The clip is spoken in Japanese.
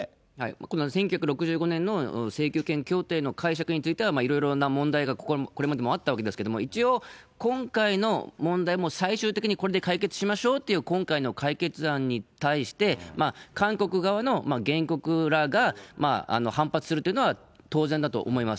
この１９６５年の請求権協定の解釈については、いろいろな問題が、これまでもあったわけですけれども、一応、今回の問題も、最終的にこれで解決しましょうという今回の解決案に対して、韓国側の原告らが反発するというのは当然だと思います。